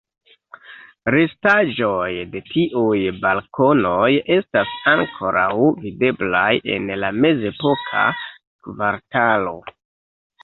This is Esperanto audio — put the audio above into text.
Restaĵoj de tiuj balkonoj estas ankoraŭ videblaj en la mezepoka kvartalo.